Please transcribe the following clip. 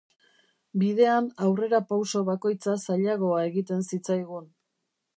Bidean aurrerapauso bakoitza zailagoa egiten zitzaigun.